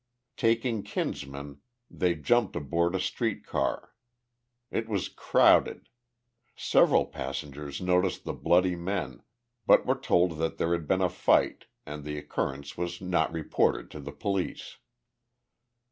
Taking Kinsman, they jumped aboard a street car. It was crowded. Several passengers noticed the bloody men, but were told that there had been a fight, and the occurrence was not reported to the police.